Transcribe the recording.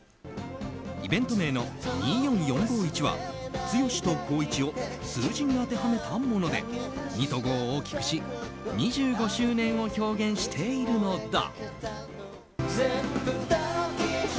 イベント名の「２４４５１」は「つよし」と「こういち」を数字に当てはめたもので２と５を大きくし２５周年を表現しているのだ。